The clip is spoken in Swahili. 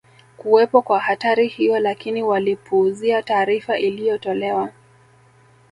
kuwepo kwa hatari hiyo lakini walipuuzia taarifa iliyotolewa